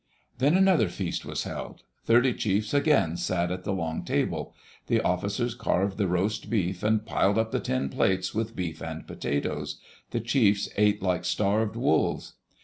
Then another feast was held. Thirty chiefs again sat at the long table. The officers carved the roast beef and piled up the tin plates with beef and potatoes. The chiefs ate like starved wolves.